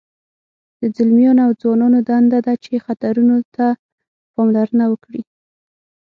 د ځلمیانو او ځوانانو دنده ده چې خطرونو ته پاملرنه وکړي.